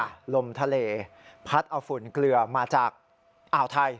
ลมทะเลพัดเอาฝุ่นเกลือมาจากอ่าวไทย